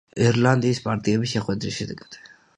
ირლანდიის პარტიების შეხვედრის შედეგად.